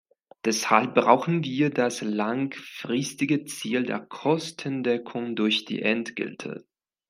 Deshalb brauchen wir das langfristige Ziel der Kostendeckung durch die Entgelte.